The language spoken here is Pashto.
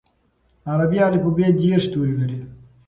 عربي الفبې دېرش توري لري.